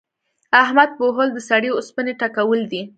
احمد پوهول؛ د سړې اوسپنې ټکول دي.